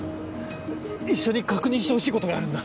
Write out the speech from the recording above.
一緒に確認してほしいことがあるんだ。